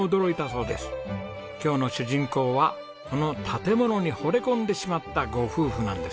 今日の主人公はこの建物にほれ込んでしまったご夫婦なんです。